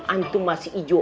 antum masih ijo